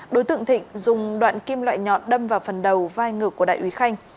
đối tượng thịnh dùng đoạn kim loại nhọn đâm vào phần đầu vai ngược của đại úy khanh